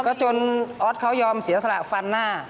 ก็จนออสเขายอมเสียสละฟันหน้า